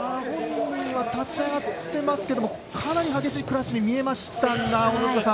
本人は立ち上がっていますがかなり激しいクラッシュに見えましたが。